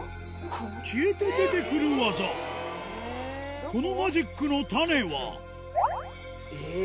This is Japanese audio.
消えて出てくる技このマジックのタネはえぇ！